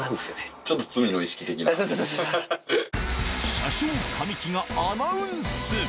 車掌、神木がアナウンス。